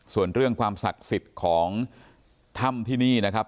ส่วนเรื่องความศักดิ์สิทธิ์ของถ้ำที่นี่นะครับ